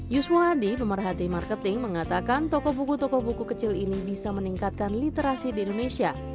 yuswo hadi pemerhati marketing mengatakan toko buku toko buku kecil ini bisa meningkatkan literasi di indonesia